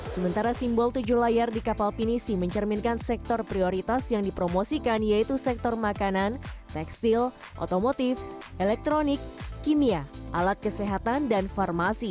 sementara simbol tujuh layar di kapal pinisi mencerminkan sektor prioritas yang dipromosikan yaitu sektor makanan tekstil otomotif elektronik kimia alat kesehatan dan farmasi